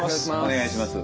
お願いします。